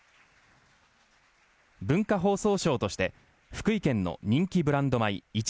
文化放送賞として福井県の人気ブランド米いち